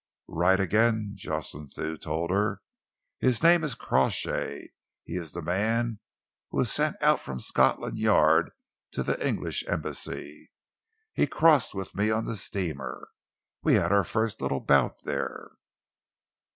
"Right again," Jocelyn Thew told her. "His name is Crawshay. He is the man who was sent out from Scotland Yard to the English Embassy. He crossed with me on the steamer. We had our first little bout there."